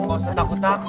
gak usah takut takut